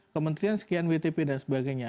kementerian sekian wtp dan sebagainya